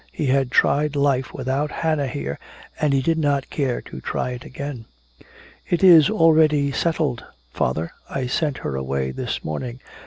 He had tried life without Hannah here and he did not care to try it again. "It is already settled, father, I sent her away this morning."